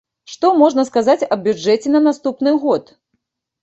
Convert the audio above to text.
Што можна сказаць аб бюджэце на наступны год?